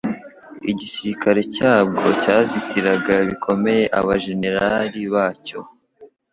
igisirikare cyabwo cyazitiraga bikomeye abajenerali bacyo